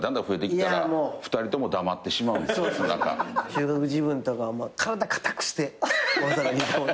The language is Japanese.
中学時分とかは体硬くして大阪に。